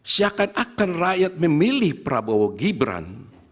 seakan akan rakyat memilih prabowo gibran